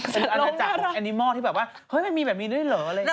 สัตว์โลกน่ารักอันตรายจากแอนิมอลที่แบบว่าเฮ้ยมันมีแบบนี้ด้วยเหรออะไรอย่างนี้